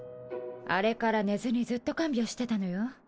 あれから寝ずにずっと看病してたのよ。